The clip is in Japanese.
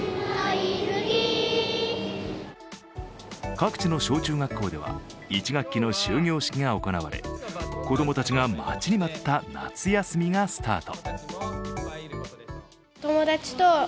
各地の小中学校では１学期の終業式が行われ子供たちが待ちに待った夏休みがスタート。